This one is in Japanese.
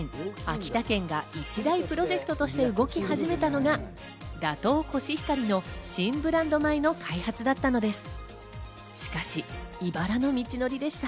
秋田県が一大プロジェクトとして動き始めたのが、打倒コシヒカリの新ブランド米の開発だったのです。